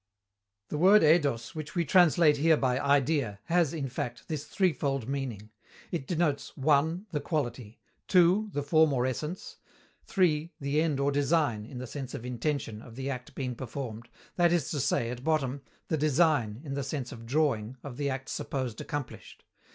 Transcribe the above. The word [Greek: eidos], which we translate here by "Idea," has, in fact, this threefold meaning. It denotes (1) the quality, (2) the form or essence, (3) the end or design (in the sense of intention) of the act being performed, that is to say, at bottom, the design (in the sense of drawing) of the act supposed accomplished.